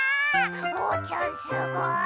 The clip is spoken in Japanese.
おうちゃんすごい！